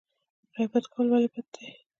غیبت کول ولې بد دي؟